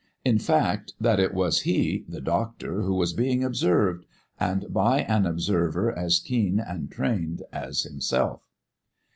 In fact, that it was he, the doctor, who was being observed and by an observer as keen and trained as himself.